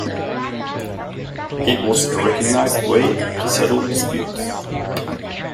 It was a recognized way to settle disputes.